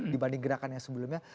dibanding gerakan yang sebelumnya